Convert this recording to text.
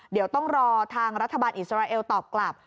เดี๋ยวต้องรอทางรัฐบาลอิสราเอลตอบกลับ